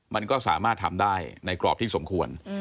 มันก็สามารถทำได้ในกรอบที่สมควร